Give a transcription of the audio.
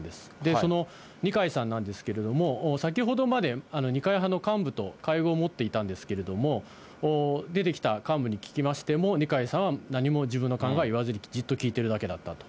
その二階さんなんですけれども、先ほどまで、二階派の幹部と会合を持っていたんですけれども、出てきた幹部に聞きましても、二階さんは何も自分の考えを言わずに、じっと聞いてるだけだったと。